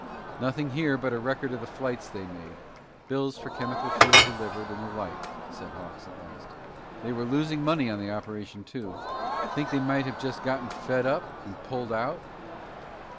"Nothing here but a record of the flights they made, bills for chemical fuel delivered, and the like," said Hawks at last. "They were losing money on the operation, too. Think they might have just gotten fed up and pulled out?"